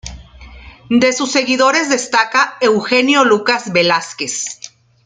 De sus seguidores, destaca Eugenio Lucas Velázquez.